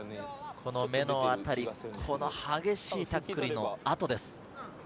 目の辺り、激しいタックルの後です。